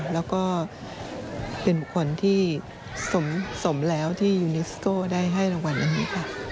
แล้วก็เป็นบุคคลที่สมแล้วที่ยูนิสโก้ได้ให้รางวัลอันนี้ค่ะ